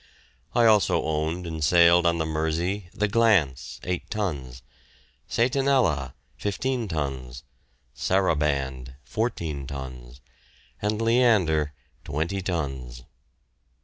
I also owned and sailed on the Mersey the "Glance," eight tons; "Satanella," fifteen tons; "Saraband," fourteen tons; and "Leander," twenty tons.